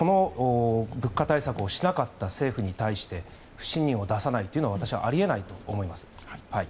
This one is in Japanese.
物価対策をしなかった政府に対して不信任を出さないのは私はあり得ないと思います。